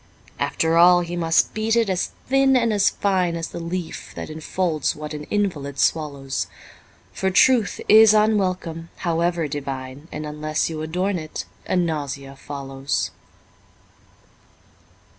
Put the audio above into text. After all he must beat it as thin and as fine As the leaf that enfolds what an invalid swallows, For truth is unwelcome, however divine, And unless you adorn it, a nausea follows.